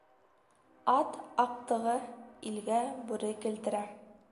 Ат аҡтығы илгә бүре килтерә.